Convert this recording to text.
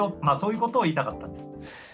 まあそういうことを言いたかったんです。